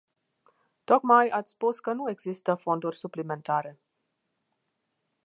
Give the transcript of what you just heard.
Tocmai ați spus că nu există fonduri suplimentare.